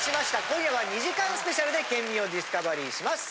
今夜は２時間スペシャルで県民をディスカバリーします。